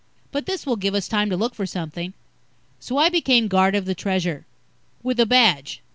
But this will give us time to look for something." So I became guard of the Treasure. With a badge.